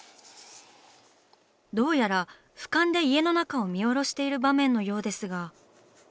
どうやら俯瞰で家の中を見下ろしている場面のようですが。